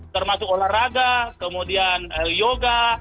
termasuk olahraga kemudian yoga